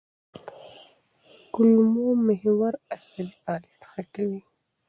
کولمو محور عصبي فعالیت ښه کوي.